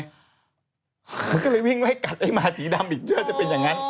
มันก็เลยวิ่งไว้กัดหมาสีดํ้อีกใช่ไหมจะเป็นอย่างนั้น